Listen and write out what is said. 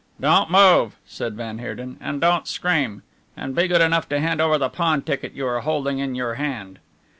"Don't move," said van Heerden, "and don't scream. And be good enough to hand over the pawn ticket you are holding in your hand."